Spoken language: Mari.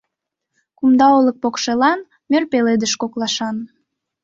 Кумда олык покшелан, мӧр пеледыш коклашан